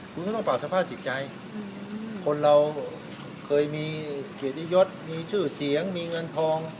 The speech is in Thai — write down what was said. คุณก็ต้องเป่าสภาพจิตใจคนเราเคยมีเกียรติยศมีชื่อเสียงมีเงินทอง